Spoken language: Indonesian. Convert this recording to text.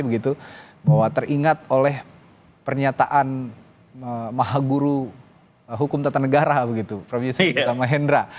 bahwa teringat oleh pernyataan maha guru hukum tata negara prof yusuf ketama hendra